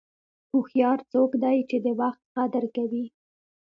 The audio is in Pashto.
هوښیار څوک دی چې د وخت قدر کوي.